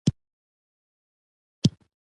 دا چټکه تله پر لار زوی یې کرار وو